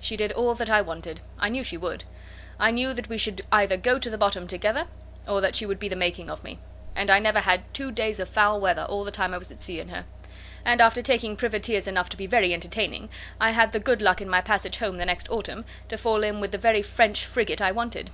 She did all that I wanted. I knew she would. I knew that we should either go to the bottom together, or that she would be the making of me; and I never had two days of foul weather all the time I was at sea in her; and after taking privateers enough to be very entertaining, I had the good luck in my passage home the next autumn, to fall in with the very French frigate I wanted.